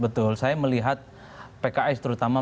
betul saya melihat pks terutama